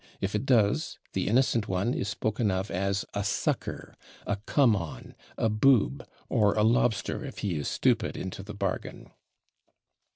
If it does, the innocent one is spoken of as a /sucker/, a /come on/, a /boob/, or a /lobster/ if he is stupid into the bargain."